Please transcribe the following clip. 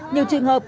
nhiều trường hợp